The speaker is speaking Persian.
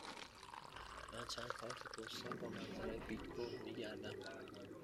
من چند کارت پستال با منظره بیگ بن می گردم.